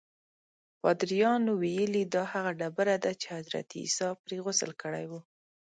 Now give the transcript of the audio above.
پادریانو ویلي دا هغه ډبره ده چې حضرت عیسی پرې غسل کړی و.